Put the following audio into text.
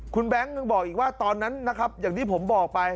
คุณแบงค์ยังบอกอีกว่าตอนนั้นนะครับอย่างที่ผมบอกไป